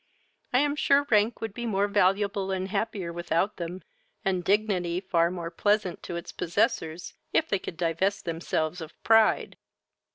I am sure rank would be more valuable and happier without them, and dignity far more pleasant to its possessors, if they could divest themselves of pride.